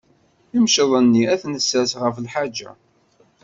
Imceḍ-nni ad t-nessers ɣef lḥaǧa.